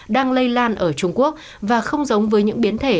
đang lây lan ở trung quốc và không giống với những biến thể